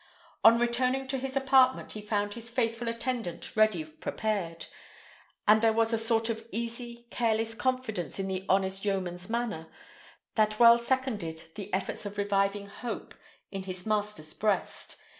On returning to his apartment he found his faithful attendant ready prepared; and there was a sort of easy, careless confidence in the honest yeoman's manner, that well seconded the efforts of reviving hope in his master's breast.